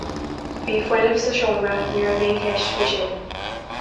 Bhí fuinneamh sa seomra, ní raibh aon cheist faoi sin.